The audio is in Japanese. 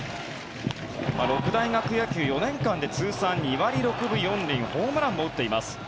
六大学野球、４年間で通算２割６分４厘ホームランも打っています。